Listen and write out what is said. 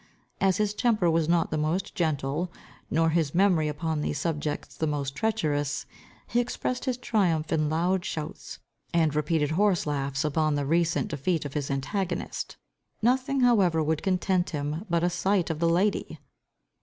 As his temper was not the most gentle, nor his memory upon these subjects the most treacherous, he expressed his triumph in loud shouts, and repeated horse laughs, upon the recent defeat of his antagonist. Nothing however would content him but a sight of the lady.